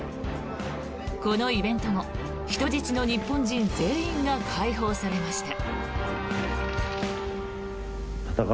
このイベント後人質の日本人全員が解放されました。